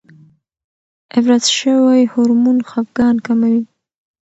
افراز شوی هورمون خپګان کموي.